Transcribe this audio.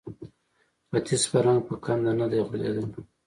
ختیز فرهنګ په کنده نه دی غورځېدلی